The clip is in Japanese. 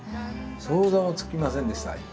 想像もつきませんでした。